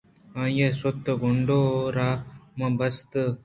آئی ءَ شُت ءُ گوٛنڈو ءَ را ماں بست